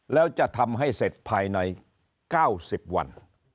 แล้วจะทำให้เสร็จภายใน๙๐วัน